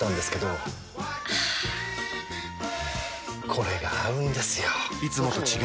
これが合うんですよ！